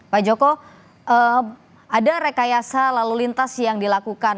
pak joko ada rekayasa lalu lintas yang dilakukan